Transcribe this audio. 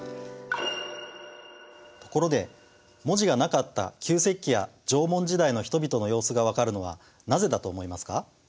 ところで文字がなかった旧石器や縄文時代の人々の様子が分かるのはなぜだと思いますか？